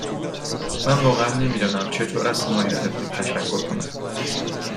من واقعا نمی دانم چطور از حمایت تو تشکر کنم.